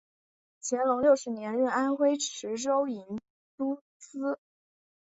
乾隆六十年任安徽池州营都司。